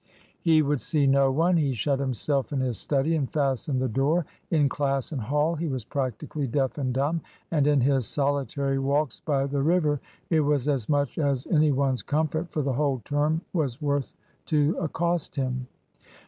He would see no one. He shut himself in his study and fastened the door. In class and Hall he was practically deaf and dumb; and in his solitary walks by the river it was as much as any one's comfort for the whole term was worth to accost him.